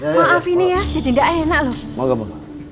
maaf ini ya jadi enggak enak lho